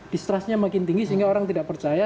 distrustnya makin tinggi sehingga orang tidak percaya